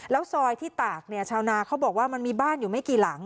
แล้วซอยที่ตากเนี่ยชาวนาเขาบอกว่ามันมีบ้านอยู่ไม่กี่หลัง